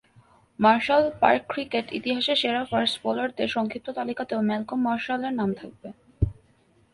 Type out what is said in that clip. Martial park cricket ইতিহাসের সেরা fast বোলারদের সংক্ষিপ্ত তালিকাতেও ম্যালকম মার্শালের নাম থাকবে।